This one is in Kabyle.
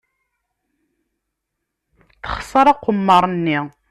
Texṣer aqemmer-nni.